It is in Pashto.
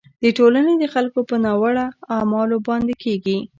د ټولنې د خلکو په ناوړه اعمالو باندې کیږي.